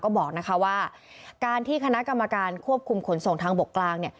ก็บอกว่าการที่คณะกรรมการควบคุมขนส่งทางบกลาง